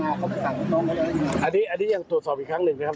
อันนี้อันนี้ยังตรวจสอบอีกครั้งหนึ่งนะครับ